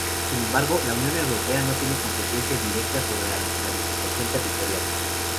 Sin embargo, La Unión Europea no tiene competencias directas sobre la Planificación Territorial.